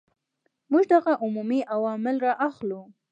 موږ دغه عمومي عوامل را اخلو.